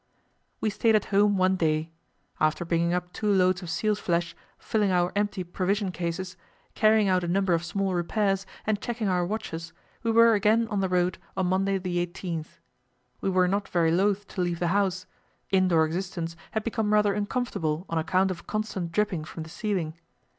We stayed at home one day. After bringing up two loads of seals' flesh, filling our empty provision cases, carrying out a number of small repairs, and checking our watches, we were again on the road on Monday the 18th. We were not very loth to leave the house; indoor existence had become rather uncomfortable on account of constant dripping from the ceiling.